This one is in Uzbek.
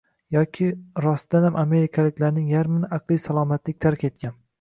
yoki rostdanam amerikaliklarning yarmini aqliy salomatlik tark etgan